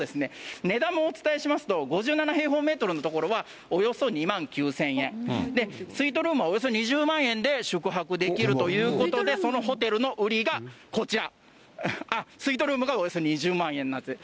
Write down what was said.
そうですね、５７平方メートルの所はおよそ２万９０００円、スイートルームはおよそ２０万円で宿泊できるということで、そのホテルの売りがこちら、スイートルームがおよそ２０万円になってます。